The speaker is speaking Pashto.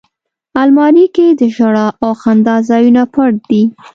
الماري کې د ژړا او خندا ځایونه پټ دي